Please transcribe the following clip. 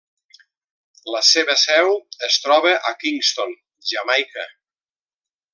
La seva seu es troba a Kingston, Jamaica.